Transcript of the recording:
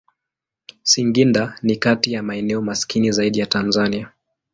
Singida ni kati ya maeneo maskini zaidi ya Tanzania.